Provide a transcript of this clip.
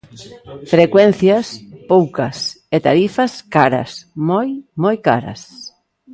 Frecuencias, poucas, e tarifas caras, moi, moi caras.